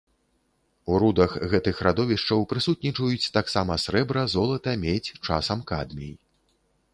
У рудах гэтых радовішчаў прысутнічаюць таксама срэбра, золата, медзь, часам кадмій.